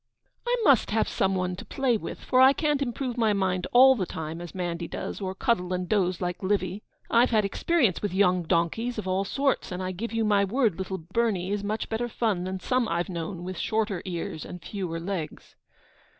'I must have some one to play with, for I can't improve my mind all the time as 'Mandy does, or cuddle and doze like Livy. I've had experience with young donkeys of all sorts, and I give you my word little Bernie is much better fun than some I've known with shorter ears and fewer legs.'